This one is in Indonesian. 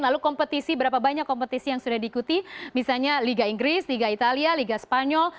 lalu kompetisi berapa banyak kompetisi yang sudah diikuti misalnya liga inggris liga italia liga spanyol